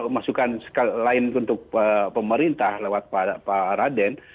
masukkan sekali lain untuk pemerintah lewat pak raden